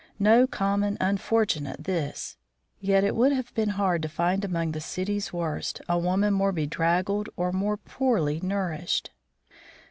No common unfortunate, this. Yet it would have been hard to find among the city's worst a woman more bedraggled or more poorly nourished.